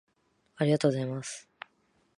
ありがとうございます